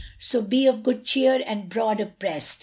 So be of good cheer and broad of breast."